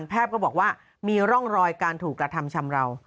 แพทย์ก็บอกว่ามีร่องรอยการถูกกระทำชำราว